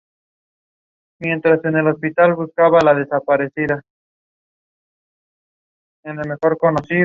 Los dos siguientes sucesores de Constantino fueron asesinados en la Horda de Oro.